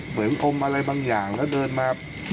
เหมือนพร้อมอะไรบางอย่างแล้วเดินมา